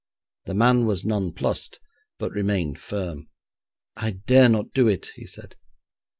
The man was nonplussed, but remained firm. 'I dare not do it,' he said.